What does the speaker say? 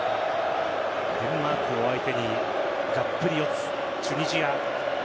デンマークを相手にがっぷり四つ、チュニジア。